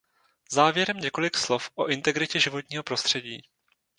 Závěrem několik slov o integritě životního prostředí.